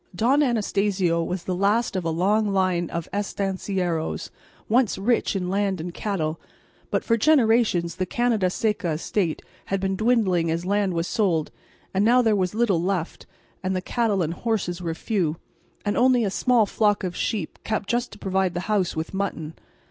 Don Anastacio was the last of a long line of estancieros once rich in land and cattle, but for generations the Canada Seca estate had been dwindling as land was sold, and now there was little left, and the cattle and horses were few, and only a small flock of sheep kept just to provide the house with mutton.